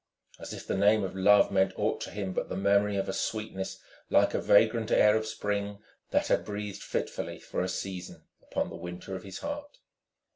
As if the name of love meant aught to him but the memory of a sweetness like a vagrant air of Spring that had breathed fitfully for a season upon the Winter of his heart!